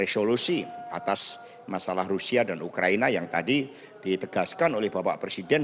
resolusi atas masalah rusia dan ukraina yang tadi ditegaskan oleh bapak presiden